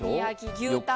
牛タン